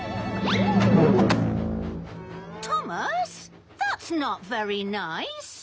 トーマス！